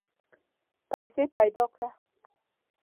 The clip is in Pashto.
پیسې پیدا کړه.